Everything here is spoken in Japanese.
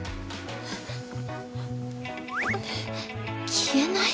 消えない？